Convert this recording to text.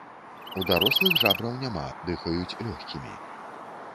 У дарослых жабраў няма, дыхаюць лёгкімі.